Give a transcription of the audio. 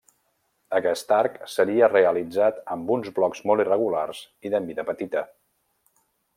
Aquest arc seria realitzat amb uns blocs molt irregulars i de mida petita.